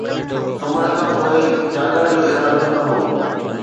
سمهڻ کان پوءِ جاڳڻ جو ارادو نه هو